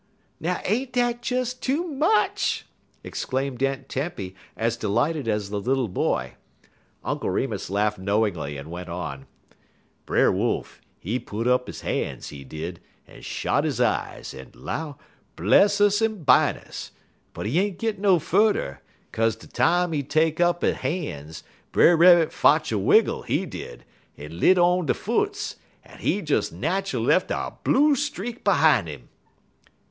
'" "Now ain't dat des too much!" exclaimed Aunt Tempy, as delighted as the little boy. Uncle Remus laughed knowingly and went on: "Brer Wolf, he put up he han's, he did, en shot he eyes, en 'low, 'Bless us en bine us;' but he ain't git no furder, 'kaze des time he take up he han's, Brer Rabbit fotch a wiggle, he did, en lit on he foots, en he des nat'ally lef a blue streak behime 'im."